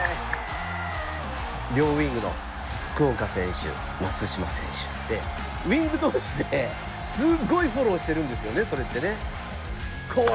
両ウイングの福岡選手松島選手。でウイング同士ですごいフォローしてるんですよねそれってね。